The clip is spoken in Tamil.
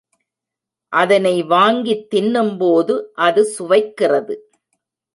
அதனை வாங்கித் தின்னும்போது அது சுவைக்கிறது.